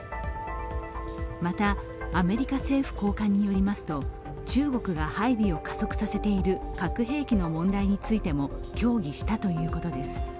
また、アメリカ政府高官によりますと、中国が配備を加速させている核兵器の問題についても協議したということです。